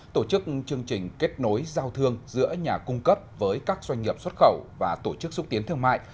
tổ chức chương trình kết nối giao thương giữa nhà cung cấp với các doanh nghiệp xuất khẩu và tổ chức xúc tiến thương mại